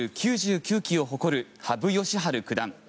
９９期を誇る羽生善治九段。